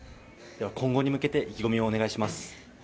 今後に向けて意気込みをお願いします。